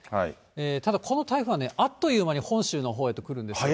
ただ、この台風はね、あっという間に本州のほうへと来るんです。